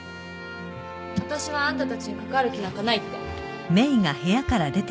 わたしはあんたたちにかかわる気なんかないって。